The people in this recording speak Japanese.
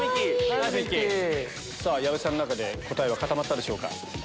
矢部さんの中で答えは固まったでしょうか？